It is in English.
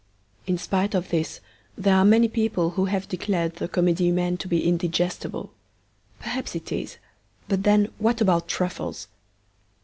In spite of this, there are many people who have declared the Comedie Humaine to be indigestible. Perhaps it is: but then what about truffles?